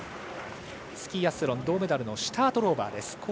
スキーアスロン銅メダルのシュタードローバーです。